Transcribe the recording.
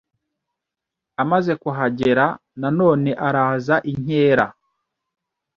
Amaze kuhagera, nanone araza inkera.